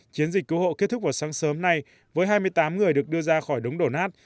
chiến dịch cứu hộ kết thúc vào sáng sớm nay với hai mươi tám người được đưa ra khỏi đống đổ nát